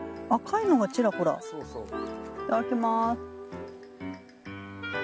いただきます。